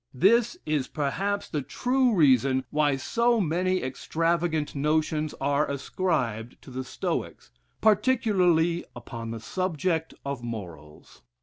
This is, perhaps, the true reason why so many extravagant notions are ascribed to the Stoics, particularly upon the subject of morals.